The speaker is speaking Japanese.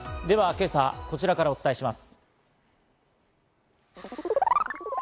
では今朝はこちらからお伝えします。